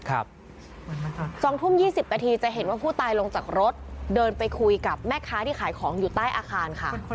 ๒ทุ่ม๒๐นาทีจะเห็นว่าผู้ตายลงจากรถเดินไปคุยกับแม่ค้าที่ขายของอยู่ใต้อาคารค่ะ